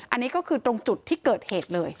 อันนี้ก็คือตรงจุดที่เกิดเหตุเลย